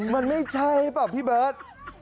มันไม่ใช่เปล่าพี่เบิร์ต